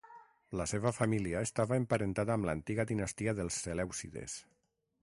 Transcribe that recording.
La seva família estava emparentada amb l'antiga dinastia dels selèucides.